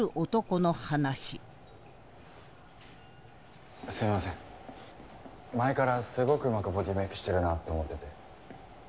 前からすごくうまくボディメイクしてるなと思ってて。